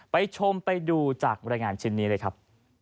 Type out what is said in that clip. ชมไปดูจากบรรยายงานชิ้นนี้เลยครับ